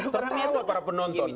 tertawa para penonton